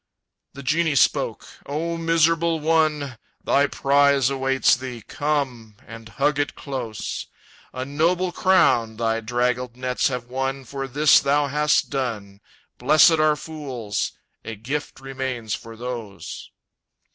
The genie spoke: "O miserable one! Thy prize awaits thee; come, and hug it close! A noble crown thy draggled nets have won For this that thou hast done. Blessed are fools! A gift remains for those!"